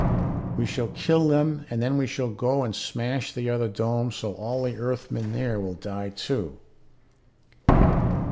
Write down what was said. We shall kill them and then we shall go and smash the other dome so all the Earthmen there will die too.